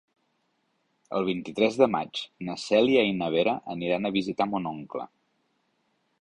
El vint-i-tres de maig na Cèlia i na Vera aniran a visitar mon oncle.